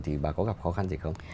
thì bà có gặp khó khăn gì không